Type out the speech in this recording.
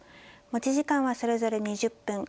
持ち時間はそれぞれ２０分。